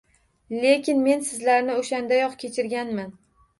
Lekin men sizlarni oʻshandayoq kechirganman